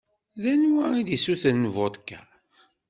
D anwa i d-isutren vodka?